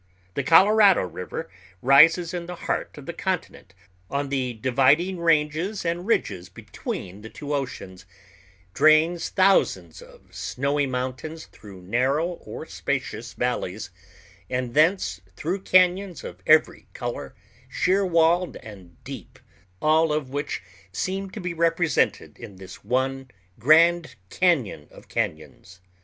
The Colorado River rises in the heart of the continent on the dividing ranges and ridges between the two oceans, drains thousands of snowy mountains through narrow or spacious valleys, and thence through cañons of every color, sheer walled and deep, all of which seem to be represented in this one grand cañon of cañons.